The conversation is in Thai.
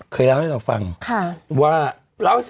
เคยเล่าให้เราฟังว่าเล่าค่ะครับค่ะ